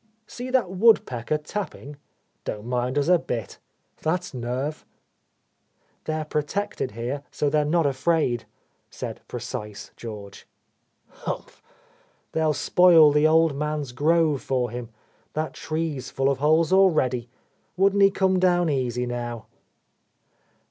"See that woodpecker tapping; don't mind us a bit. That's nerve!" "They are protected here, so they're not afraid," said precise George. "Hump! They'll spoil the old man's grove for him. That tree's full of holes already. Wouldn't he come down easy, now!"